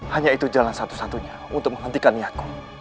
hanya itu jalan satu satunya untuk menghentikan niatku